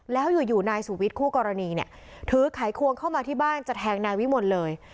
แล้วอยู่นายสุวิทย์คู่กรณีเนี่ยถือไขควงเข้ามาที่บ้านจะแทงนายวิมลเลย